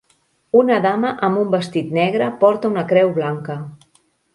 una dama amb un vestit negre porta una creu blanca.